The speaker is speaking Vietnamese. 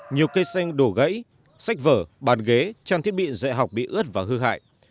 nhiều cây xanh đổ gãy sách vở bàn ghế trang thiết bị dạy học bị ướt và hư hại